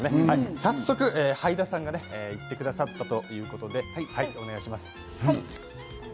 早速はいださんが行ってくださったということでお願いします。